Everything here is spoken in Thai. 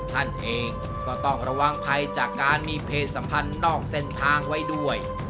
ท่านเองก็ต้องระวังภัยจากการมีเพศสัมพันธ์นอกเส้นทางไว้ด้วย